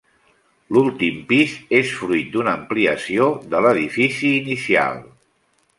L'últim pis és fruit d'una ampliació de l'edifici inicial.